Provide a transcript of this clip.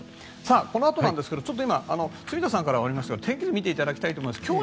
このあとなんですが今、住田さんからもありましたが天気図を見ていただきたいと思います。